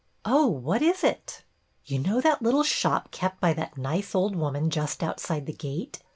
" Oh, what is it ?" "You know that little shop kept by that nice old woman just outside the gate.?